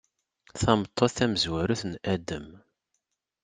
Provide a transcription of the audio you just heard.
Tameṭṭut tamezwarut n Adem.